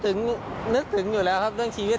นึกถึงอยู่แล้วครับเรื่องชีวิต